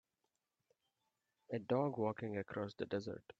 A dog walking across the desert.